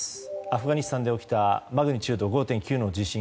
アフガニスタンで起きたマグニチュード５．９の地震。